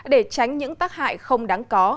để tránh những tác hại không đáng có